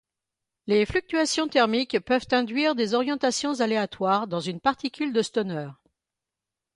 Les fluctuations thermiques peuvent induire des orientations aléatoires dans une particule de Stoner.